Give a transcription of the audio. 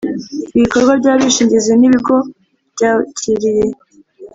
ibikorwa by abishingizi n ibigo byakiriye